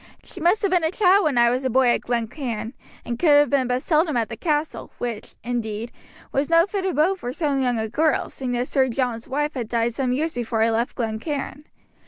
She must have been a child when I was a boy at Glen Cairn, and could have been but seldom at the castle which, indeed, was no fit abode for so young a girl, seeing that Sir John's wife had died some years before I left Glen Cairn.